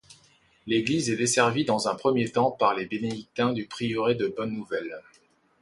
L'église est desservie dans un premier temps par les bénédictins du prieuré de Bonne-Nouvelle.